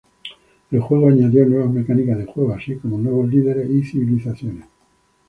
El juego añadió nuevas mecánicas de juego, así como nuevos líderes y civilizaciones.